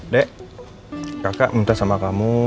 dek kakak minta sama kamu